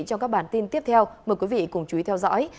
trong các bản tin tiếp theo mời quý vị cùng chú ý theo dõi